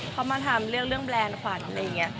เขามาทำเรื่องแบรนด์ขวัญอะไรอย่างนี้